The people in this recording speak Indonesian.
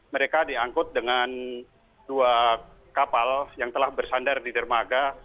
mereka diangkut dengan dua kapal yang telah bersandar di dermaga